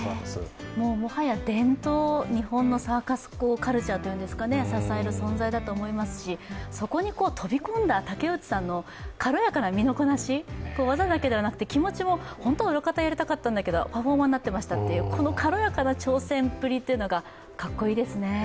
もはや伝統、日本のサーカスカルチャーというんですかね、支える存在だと思いますしそこに飛び込んだ竹内さんの軽やかな身のこなし、技だけではなくて気持ちも本当は裏方やりたかったんだけどパフォーマーになってましたっていうこの軽やかな挑戦っぷりというのが、かっこいいですね。